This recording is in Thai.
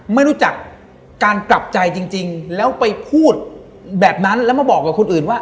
ไม่รู้จักการกลับใจจริงแล้วไปพูดแบบนั้นแล้วมาบอกกับคนอื่นว่า